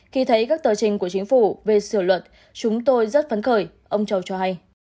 khi thấy các tờ trình của chính phủ về sửa luật chúng tôi rất phấn khởi ông châu cho hay